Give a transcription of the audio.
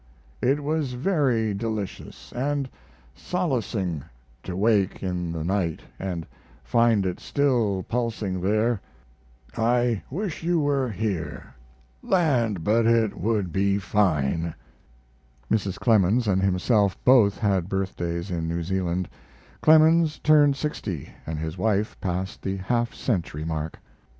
It was very delicious and solacing to wake in the night & find it still pulsing there. I wish you were here land, but it would be fine! Mrs. Clemens and himself both had birthdays in New Zealand; Clemens turned sixty, and his wife passed the half century mark.